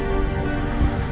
tidak ada yang bisa dikira